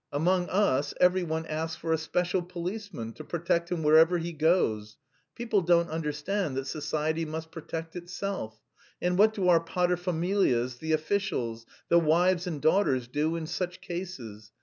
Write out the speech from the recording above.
Among us every one asks for a special policeman to protect him wherever he goes. People don't understand that society must protect itself. And what do our patresfamilias, the officials, the wives and daughters, do in such cases?